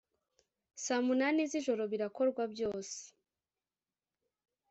saa munani z ijoro birakorwa byose